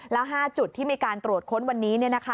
แล้ว๕จุดที่มีการตรวจค้นวันนี้